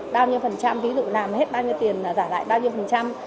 bao nhiêu phần trăm ví dụ làm hết bao nhiêu tiền giả lại bao nhiêu phần trăm